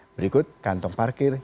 berikut kantong parkir